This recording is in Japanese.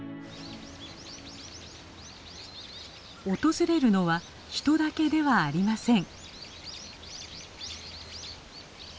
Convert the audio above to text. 訪れるのは人だけではありません。